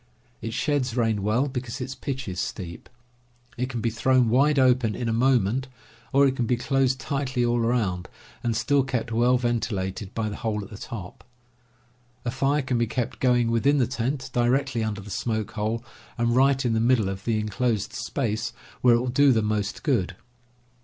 It sheds rain well, because its pitch is steep. It can be thrown wide open in a moment, or it can be closed tightly all around and still kept well ventilated by the hole at the top. A fire can be kept going within the tent, directly under the smoke hole, and right in the middle of the inclosed space, where it will do the most good.